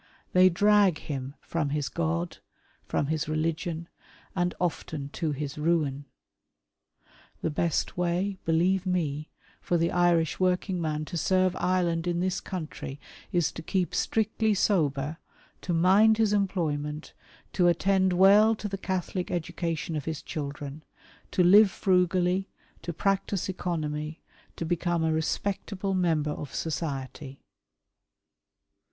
They drag him from his God, from his religion, and often to his ruin. The best way, believe me, for the Irish working man to serve Ireland in this country is to keep strictly sober, to mind his employment, to attend well to the Catholic education of his children, to live frugally, to practise economy, to become a respectable member of society.